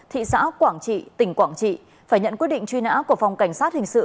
thị xã quảng trị tỉnh quảng trị phải nhận quyết định truy nã của phòng cảnh sát hình sự